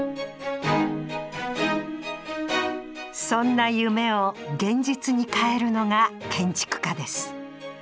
そんな夢を現実に変えるのが「建築家」です。